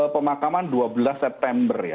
pemakaman dua belas september ya